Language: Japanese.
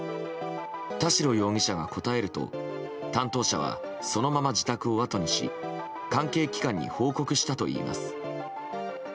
田代容疑者が答えると担当者はそのまま自宅をあとにし関係機関に報告したといいます。